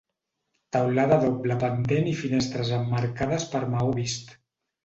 Teulada a doble pendent i finestres emmarcades per maó vist.